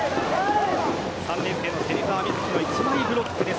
３年生の芹澤瑞紀の１枚ブロックです。